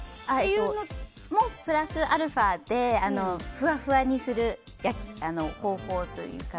それもプラスアルファでふわふわにする方法というか。